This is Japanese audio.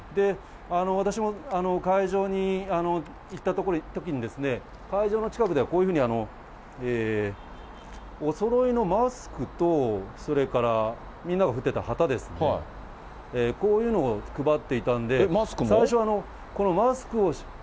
私も会場に行ったときに、会場の近くではこういうふうにおそろいのマスクとそれからみんなが振ってた旗ですね、こういうのを配っていたんで、最初、このマスクを。